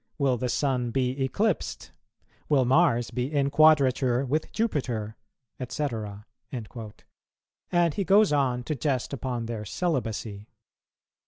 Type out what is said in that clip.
will the Sun be eclipsed? will Mars be in quadrature with Jupiter? &c." and he goes on to jest upon their celibacy.